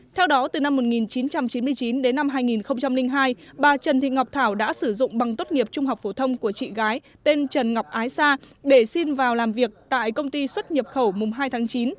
theo đó từ năm một nghìn chín trăm chín mươi chín đến năm hai nghìn hai bà trần thị ngọc thảo đã sử dụng bằng tốt nghiệp trung học phổ thông của chị gái tên trần ngọc ái sa để xin vào làm việc tại công ty xuất nhập khẩu mùng hai tháng chín